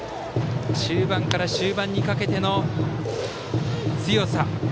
中盤から終盤にかけての強さ。